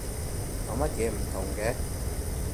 有乜嘢唔同嘅？